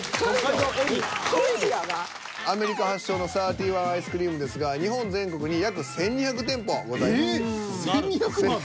アメリカ発祥の「サーティワンアイスクリーム」ですが日本全国に約１、２００店舗ございます。